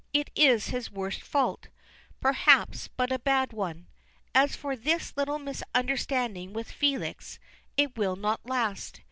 It is his worst fault, perhaps, but a bad one. As for this little misunderstanding with Felix, it will not last.